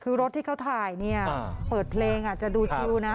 คือรถที่เขาถ่ายเนี่ยเปิดเพลงจะดูชิวนะ